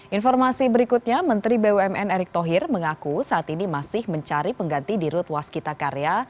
informasi berikutnya menteri bumn erick thohir mengaku saat ini masih mencari pengganti dirut waskita karya